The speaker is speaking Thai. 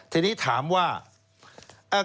ทีนี้ถามว่า